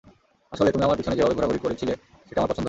আসলে, তুমি আমার পিছনে যেভাবে ঘোরাঘুরি করছিলে সেটা আমার পছন্দ হয়নি।